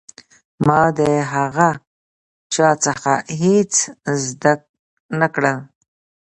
ما د هغه چا څخه هېڅ زده نه کړل.